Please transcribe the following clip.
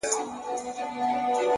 ماهېره که;